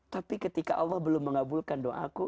tapi ketika allah belum mengabulkan doaku